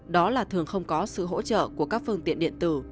đó là thường không có sự hỗ trợ của các phương tiện điện tử